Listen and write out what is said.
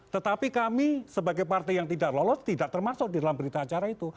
tetapi kami sebagai partai yang tidak lolos tidak termasuk di dalam berita acara itu